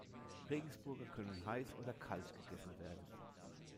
Regensburger können heiß oder kalt gegessen werden.